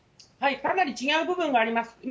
かなり違う部分はあります。